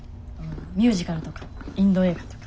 ミュージカルとかインド映画とか。